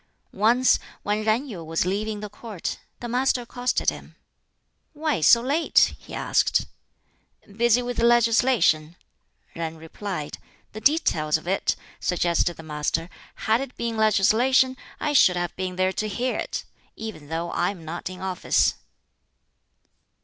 Once when Yen Yu was leaving the Court, the Master accosted him. "Why so late?" he asked. "Busy with legislation," Yen replied. "The details of it," suggested the Master; "had it been legislation, I should have been there to hear it, even though I am not in office."